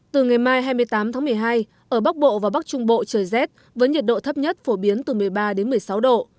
từ ngày mai hai mươi tám tháng một mươi hai ở bắc bộ và bắc trung bộ trời rét với nhiệt độ thấp nhất phổ biến từ một mươi ba đến một mươi sáu độ